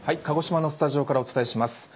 鹿児島のスタジオからお伝えします。